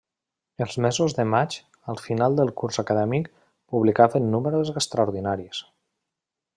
Els mesos de maig, al final del curs acadèmic, publicaven números extraordinaris.